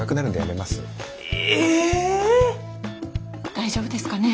大丈夫ですかね？